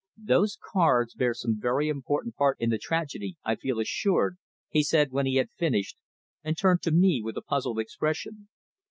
"Those cards bear some very important part in the tragedy, I feel assured," he said when he had finished, and turned to me with a puzzled expression.